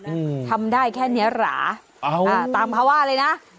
อืมทำได้แค่เนี้ยหราเอาอ่าตามเขาว่าเลยนะ